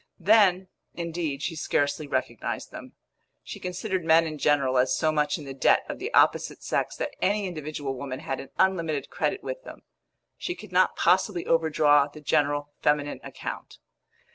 Then, indeed, she scarcely recognised them. She considered men in general as so much in the debt of the opposite sex that any individual woman had an unlimited credit with them; she could not possibly overdraw the general feminine account.